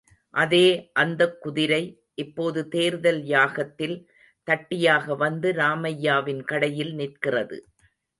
அதே அந்த குதிரை, இப்போது தேர்தல் யாகத்தில், தட்டியாக வந்து ராமையாவின் கடையில் நிற்கிறது.